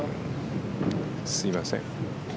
すいません。